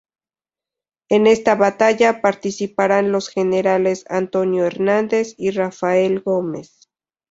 En esta batalla participaron los Generales Antonio Hernández y Rafael Gómez.